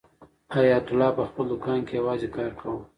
حیات الله په خپل دوکان کې یوازې کار کاوه.